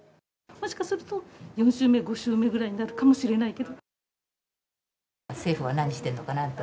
もしかすると、４週目、５週目ぐらいになるかもしれないと。